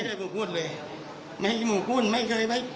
ไม่ได้หมุ่งพูดเลยไม่ได้หมุ่งพูดไม่เคยไป